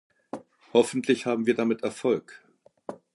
Hoffentlich haben wir damit Erfolg.